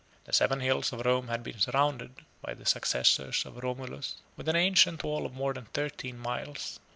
The seven hills of Rome had been surrounded by the successors of Romulus with an ancient wall of more than thirteen miles.